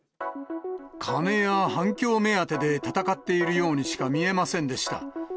金や反響目当てで闘っているようにしか見えませんでした。